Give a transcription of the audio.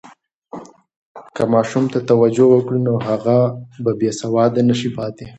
که ماشوم ته توجه وکړو، نو هغه به بې سواده نه پاتې شي.